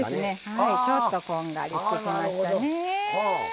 はいちょっとこんがりしてきましたね。